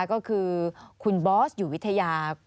ก็คือคุณบอสอยู่วิทยา